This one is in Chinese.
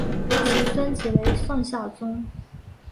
其孙即为宋孝宗。